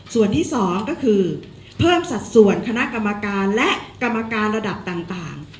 ส่วนที่๒ก็คือเพิ่มสัดส่วนคณะกรรมการและกรรมการระดับต่าง